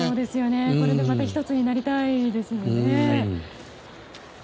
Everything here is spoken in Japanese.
これでまた１つになりたいですね。